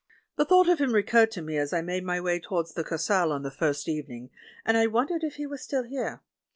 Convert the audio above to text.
The thought of him recurred to me as I made my way towards the Kursaal on the first evening, and I wondered if he was still here.